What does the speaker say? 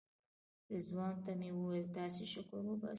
رضوان ته مې ویل تاسې شکر وباسئ.